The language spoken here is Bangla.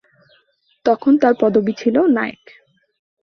তখন তাঁর পদবি ছিল নায়েক।